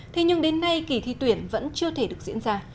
thế nhưng đến nay kỳ thi tuyển vẫn chưa thể được diễn ra